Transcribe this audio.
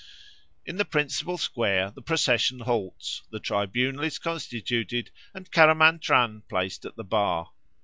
In the principal square the procession halts, the tribunal is constituted, and Caramantran placed at the bar.